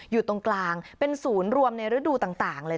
อยู่ตรงกลางเป็นศูนย์รวมในฤดูต่างเลย